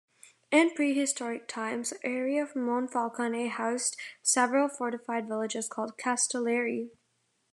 In prehistoric times the area of Monfalcone housed several fortified villages called "castellieri".